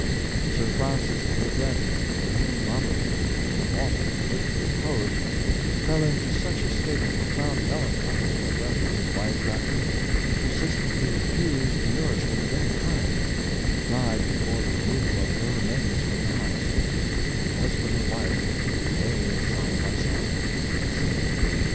Sir Francis Burdett, to whom Romilly had been often politically opposed, fell into such a state of profound melancholy on the death of his wife that he persistently refused nourishment of any kind, and died before the removal of her remains from the house; and husband and wife were laid side by side in the same grave.